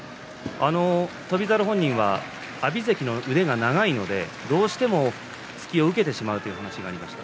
翔猿本人は阿炎関の腕が長いのでどうしても突きを受けてしまうという話がありました。